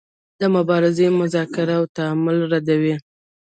دا مبارزه مذاکره او تعامل ردوي.